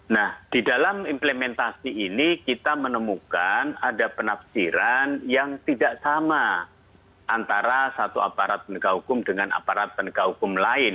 nah di dalam implementasi ini kita menemukan ada penafsiran yang tidak sama antara satu aparat penegak hukum dengan aparat penegak hukum lain